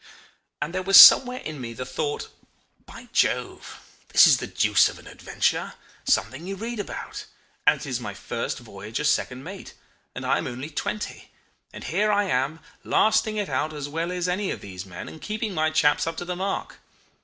"And there was somewhere in me the thought: By Jove! this is the deuce of an adventure something you read about; and it is my first voyage as second mate and I am only twenty and here I am lasting it out as well as any of these men, and keeping my chaps up to the mark.